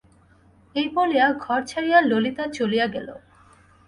এই বলিয়া ঘর ছাড়িয়া ললিতা চলিয়া গেল।